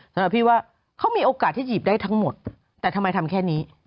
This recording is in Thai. สำหรับพี่ว่าเขามีโอกาสที่หยิบได้ทั้งหมดแต่ทำไมทำแค่นี้